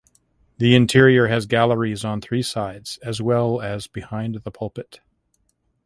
The interior has galleries on three sides as well as behind the pulpit.